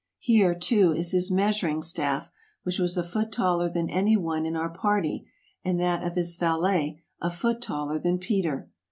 Here, too, is his measuring staff, which was a foot taller than any one in our party, and that of his valet, a foot taller than Peter